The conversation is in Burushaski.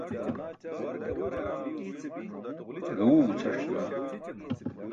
Gaẏuwe gucʰars juwan.